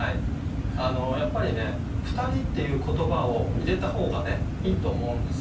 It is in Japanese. やっぱりね「ふたり」っていう言葉を入れた方がいいと思うんですよね。